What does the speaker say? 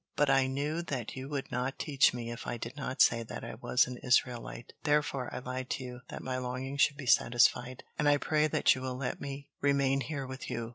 "But I knew that you would not teach me if I did not say that I was an Israelite. Therefore, I lied to you, that my longing should be satisfied. And I pray that you will let me remain here with you."